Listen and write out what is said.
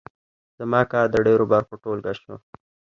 زما کار د ډېرو برخو ټولګه شوه.